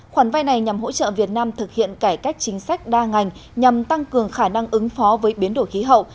khoản vay này nhằm hỗ trợ việt nam thực hiện cải cách chính sách đa ngành nhằm tăng cường khả năng ứng phó với biến đổi khí hậu